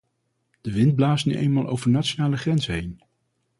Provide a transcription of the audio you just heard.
De wind blaast nu eenmaal over nationale grenzen heen.